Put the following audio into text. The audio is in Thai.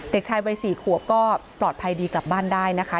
เด็กชายวัย๔ขวบก็ปลอดภัยดีกลับบ้านได้นะคะ